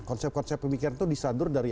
konsep konsep pemikiran itu disandur dari